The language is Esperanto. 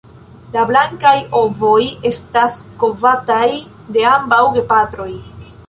La blankaj ovoj estas kovataj de ambaŭ gepatroj.